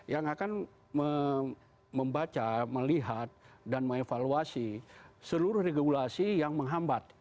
yang akan membaca melihat dan mengevaluasi seluruh regulasi yang menghambat